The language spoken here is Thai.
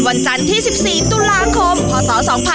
วันจันทร์ที่๑๔ตุลาคมพศ๒๕๖๒